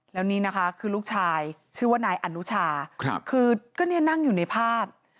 แล้วนี่นะคะคือลูกชายชื่อว่านายอนุชาคือก็เนี่ยนั่งอยู่ในภาพ